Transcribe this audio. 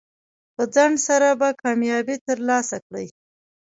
په ځنډ سره به کامیابي ترلاسه کړئ.